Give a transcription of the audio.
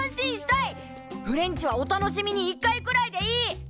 フレンチはお楽しみに１回くらいでいい。